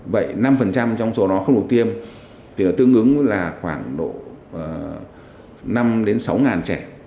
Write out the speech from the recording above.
vậy năm trong số đó không được tiêm thì nó tương ứng là khoảng năm sáu trẻ